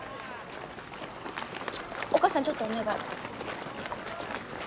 おっ母さんちょっとお願い。